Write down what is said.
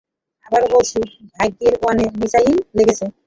আবারো বলছি, ড্যাগার ওয়ানে মিশাইল লেগেছে!